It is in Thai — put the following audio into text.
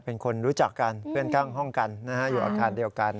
เป็นคนรู้จักกันเพื่อนข้างห้องกันนะฮะอยู่อาคารเดียวกัน